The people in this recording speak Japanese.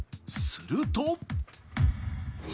すると。